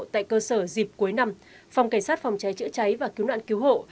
tại cơ sở dịp cuối năm phòng cảnh sát phòng cháy chữa cháy và cứu nạn cứu hộ